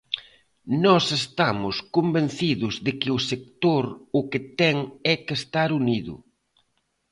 Nós estamos convencidos de que o sector o que ten é que estar unido.